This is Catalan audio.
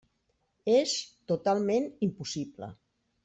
És totalment impossible.